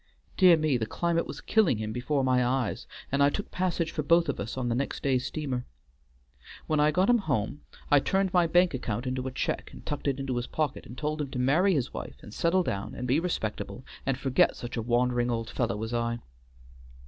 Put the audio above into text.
Dear me, the climate was killing him before my eyes, and I took passage for both of us on the next day's steamer. When I got him home I turned my bank account into a cheque and tucked it into his pocket, and told him to marry his wife and settle down and be respectable and forget such a wandering old fellow as I."